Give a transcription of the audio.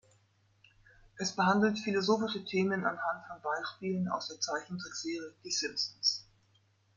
Es behandelt philosophische Themen anhand von Beispielen aus der Zeichentrickserie "Die Simpsons".